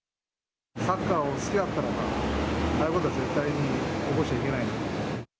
サッカーを好きだったらば、ああいうことは絶対に起こしちゃいけないので。